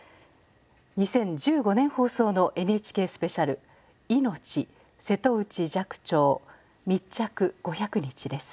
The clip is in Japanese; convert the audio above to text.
２０１５年放送の「ＮＨＫスペシャルいのち瀬戸内寂聴密着５００日」です。